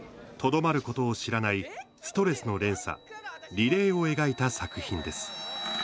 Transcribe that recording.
とどまることを知らないストレスの連鎖リレーを描いた作品です。